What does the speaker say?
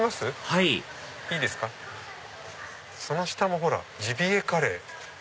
はいその下もほら「ジビエカレー」。